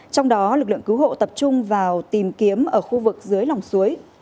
trong đó lực lượng cứu hộ tập trung vào tìm kiếm ở khu vực dưới lòng suối